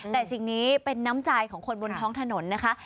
แต่สิ่งนี้เป็นน้ำใจของคนบนท้องถนนนะคะ